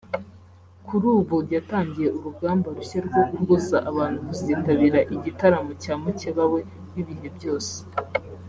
kuri ubu yatangiye urugamba rushya rwo kubuza abantu kuzitabira igitaramo cya mukeba we w’ibihe byose